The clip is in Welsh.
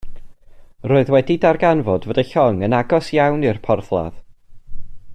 Yr oedd wedi darganfod fod y llong yn agos iawn i'r porthladd.